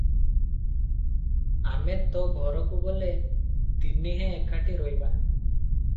ଆମେ ତ ଘରକୁ ଗଲେ ତିନିହେଁ ଏକାଠି ରହିବା ।